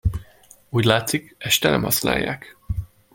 Úgy látszik, este nem használják.